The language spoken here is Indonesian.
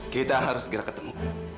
kita harus segera ketemu